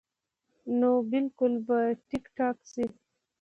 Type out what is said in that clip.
نو بالکل به ټيک ټاک شي -